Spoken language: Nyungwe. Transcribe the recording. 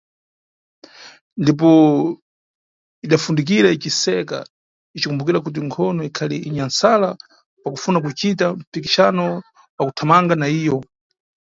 Ndipo idafundukira iciseka, icikumbukira kuti nkhono ikhali inyamsala pa kufuna kucita mpikixano wa kuthamanga na iyo.